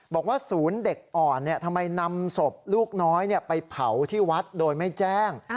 บอกว่าศูนย์เด็กอ่อนทำไมนำศพลูกน้อยไปเผาที่วัดโดยไม่แจ้ง